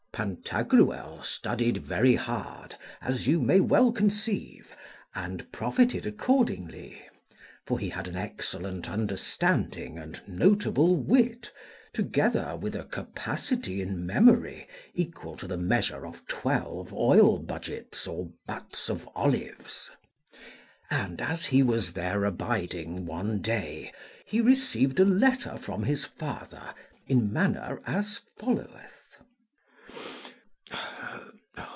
Pantagruel studied very hard, as you may well conceive, and profited accordingly; for he had an excellent understanding and notable wit, together with a capacity in memory equal to the measure of twelve oil budgets or butts of olives. And, as he was there abiding one day, he received a letter from his father in manner as followeth.